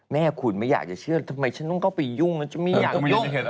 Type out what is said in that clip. แม่คุณไม่อยากจะเชื่อทำไมฉันต้องเข้าไปยุ่งแล้วฉันไม่อยากเห็น